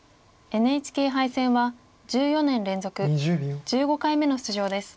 ＮＨＫ杯戦は１４年連続１５回目の出場です。